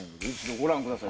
ご覧ください